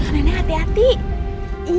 neneng hati hati